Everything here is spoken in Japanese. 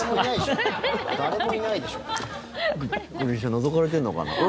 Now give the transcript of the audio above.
のぞかれてるのかな。